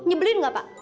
nyebelin nggak pak